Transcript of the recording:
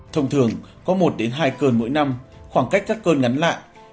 thông thường có một đến hai cơn mỗi năm khoảng cách các cơn ngắn lạ